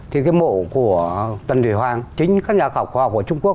thì cái mộ của tân thủy hoàng chính các nhà khảo cổ học của trung quốc